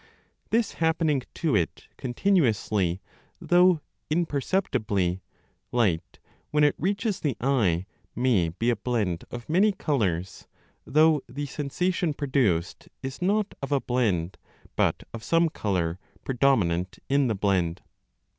This happen ing to it continuously, though imperceptibly, light when it reaches the eye may be a blend of many colours, though the sensation produced is not of a blend but of some colour ?,o predominant in the blend.